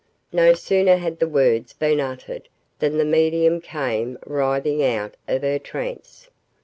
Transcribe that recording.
No sooner had the words been uttered than the medium came writhing out of her trance.